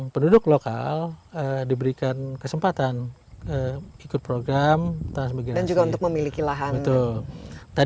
penduduk lokal diberikan kesempatan ikut program transmigrasi dan juga untuk memiliki lahan itu tadi